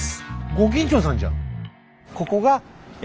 ご近所さんじゃん。